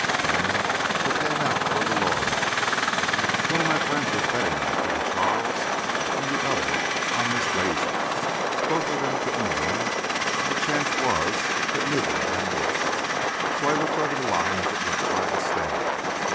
Then they came out for the Lorrimer. One of my friends was betting on King Charles and the other on Miss Lazy. Both of them couldn't win, and the chance was that neither of them would. So I looked over the line as it went by the stand.